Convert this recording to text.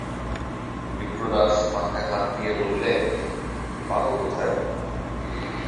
বিপ্রদাস মাথায় হাত দিয়ে বললে, পাব কোথায়?